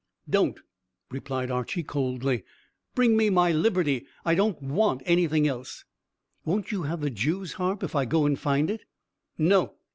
"Don't," replied Archy coldly. "Bring me my liberty. I don't want anything else." "Won't you have the Jew's harp, if I go and find it?" "No."